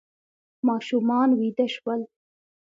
ماشومان ویده شول.